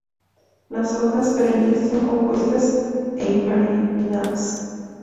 Las hojas, perennes, son compuestas e imparipinnadas.